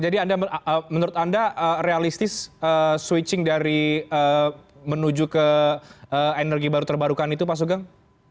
jadi anda menurut anda realistis switching dari menuju ke energi baru terbarukan itu pak sugeng